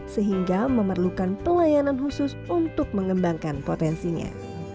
sehingga memerlukan pelayanan khusus untuk mengembangkan potensinya